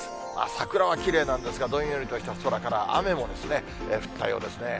桜はきれいなんですが、どんよりとした空から雨も降ったようですね。